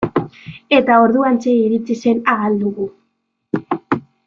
Eta orduantxe iritsi zen Ahal Dugu.